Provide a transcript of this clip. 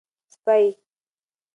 سپۍ